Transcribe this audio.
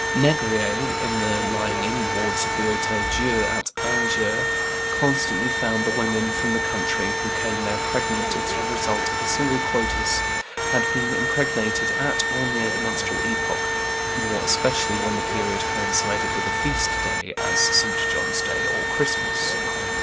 Négrier, in the lying in wards of the Hôtel Dieu at Angers, constantly found that the women from the country who came there pregnant as the result of a single coitus had been impregnated at or near the menstrual epoch, more especially when the period coincided with a feast day, as St. John's Day or Christmas.